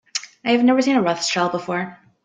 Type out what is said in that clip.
I have never seen a Rothschild before.